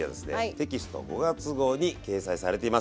テキスト５月号に掲載されています。